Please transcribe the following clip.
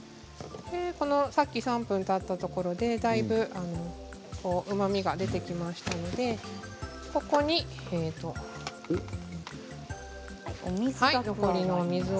さっき３分たったところでだいぶうまみが出てきましたのでお水と。